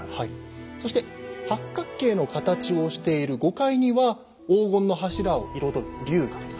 そして八角形の形をしている５階には黄金の柱を彩る龍が。